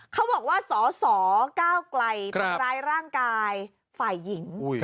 เขาบอกว่าสสก้าวไกลทำร้ายร่างกายฝ่ายหญิง